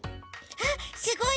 あっすごい！